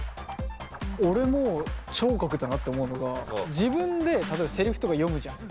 俺も聴覚だなって思うのが自分で例えばセリフとか読むじゃん。